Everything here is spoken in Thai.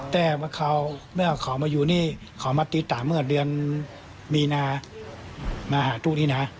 แต่เมื่อเขามาอยู่นี่เขามาติดตามเมื่อเดือนมีนามาหาทุกที่น่ะ